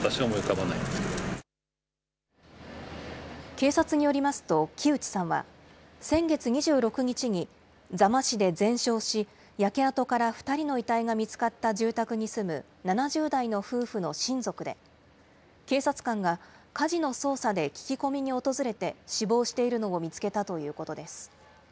警察によりますと、木内さんは先月２６日に、座間市で全焼し、焼け跡から２人の遺体が見つかった住宅に住む７０代の夫婦の親族で、警察官が火事の捜査で聞き込みに訪れて、死亡しているのを見つけたということです。